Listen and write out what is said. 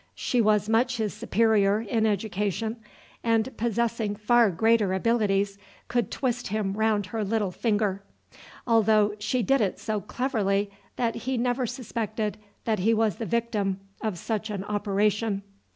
She was much his superior in education, and possessing far greater abilities could twist him round her little finger, although she did it so cleverly that he never suspected that he was the victim of such an operation.